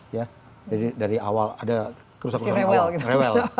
jadi dari awal ada kerusakan kerusakan awal